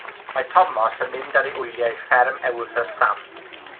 Mae Tomos yn mynd ar ei wyliau i fferm Ewythr Sam.